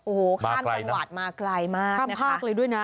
โอ้โหมาไกลน่ะข้ามจังหวัดมาไกลมากนะคะข้ามภาคเลยด้วยน่ะ